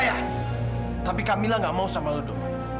ya tapi kamilah nggak mau sama edo